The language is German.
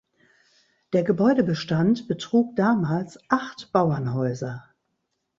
Der Gebäudebestand betrug damals acht Bauernhäuser.